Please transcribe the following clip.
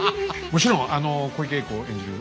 もちろん小池栄子演じる